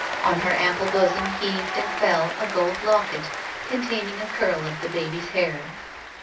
On her ample bosom heaved and fell a gold locket, containing a curl of the baby's hair.